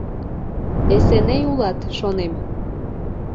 — Эсеней улат, шонем.